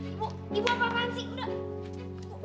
ibu ibu apa apaan sih udah